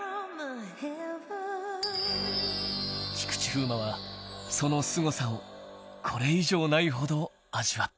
［菊池風磨はそのすごさをこれ以上ないほど味わった］